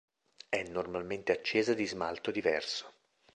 È normalmente accesa di smalto diverso.